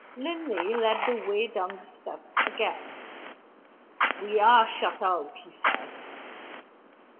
Linley led the way down the steps again. "We are shut out," he said.